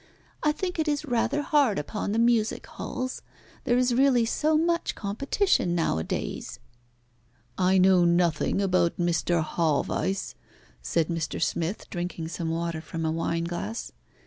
I think it is rather hard upon the music halls. There is really so much competition nowadays!" "I know nothing about Mr. Haweis," said Mr. Smith, drinking some water from a wineglass.